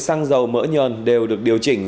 xăng dầu mỡ nhờn đều được điều chỉnh